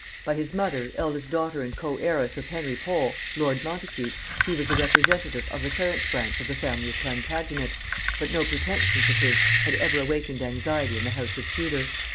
By his mother, eldest daughter and coheiress of Henry Pole lord Montacute, he was the representative of the Clarence branch of the family of Plantagenet; but no pretensions of his had ever awakened anxiety in the house of Tudor.